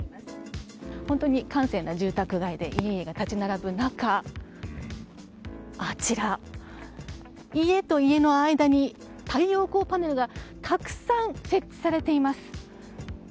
本当に閑静な住宅街で家々が立ち並ぶ中、あちら家と家の間に、太陽光パネルがたくさん設置されています。